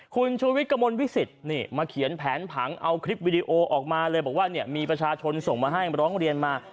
คุณชูวิทย์กระมวลวิสิตนี่มาเขียนแผนผังเอาคลิปวิดีโอออกมาเลยบอกว่าเนี่ยมีประชาชนส่งมาให้ร้องเรียนมา